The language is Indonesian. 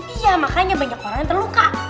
iya makanya banyak orang yang terluka